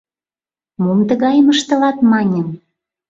— Мом тыгайым ыштылат, маньым.